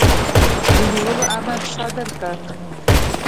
د نیولو امر صادر کړ.